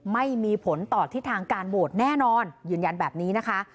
ไม่มีผลต่อทิศทางการโหวตแน่นอนยืนยันแบบนี้นะคะ